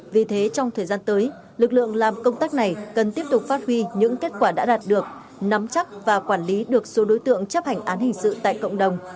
vì thế trong thời gian tới lực lượng làm công tác này cần tiếp tục phát huy những kết quả đã đạt được nắm chắc và quản lý được số đối tượng chấp hành án hình sự tại cộng đồng